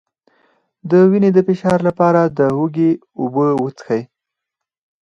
د وینې د فشار لپاره د هوږې اوبه وڅښئ